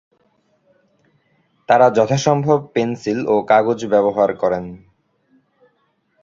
তারা যথাসম্ভব পেন্সিল ও কাগজ ব্যবহার করেন।